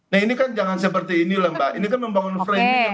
nah ini kan jangan seperti ini mbak ini kan membangun framing yang sudah orang